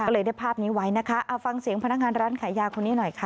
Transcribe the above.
ก็เลยได้ภาพนี้ไว้นะคะเอาฟังเสียงพนักงานร้านขายยาคนนี้หน่อยค่ะ